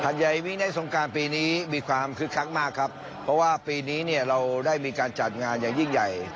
ผ่านใหญ่มิกไนท์สงครานปีนี้มีความคือคักมากครับเพราะว่าปีนี้เราได้มีการจัดงานอย่างยิ่งใหญ่